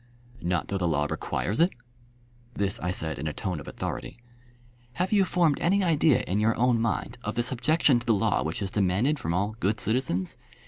"Not though the law requires it?" This I said in a tone of authority. "Have you formed any idea in your own mind of the subjection to the law which is demanded from all good citizens?